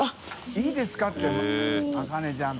いいですか？」って茜ちゃん